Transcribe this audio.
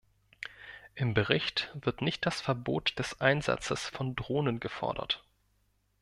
Im Bericht wird nicht das Verbot des Einsatzes von Drohnen gefordert.